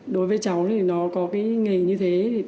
đối với cháu thì nó có cái nghề như thế